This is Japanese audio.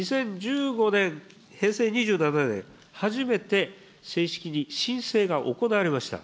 ２０１５年・平成２７年、初めて正式に申請が行われました。